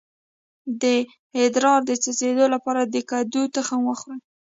د ادرار د څڅیدو لپاره د کدو تخم وخورئ